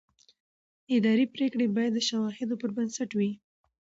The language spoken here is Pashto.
اداري پرېکړه باید د شواهدو پر بنسټ وي.